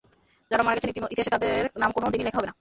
যাঁরা মারা গেছেন, ইতিহাসে তাঁদের নাম কোনো দিনই লেখা হবে না।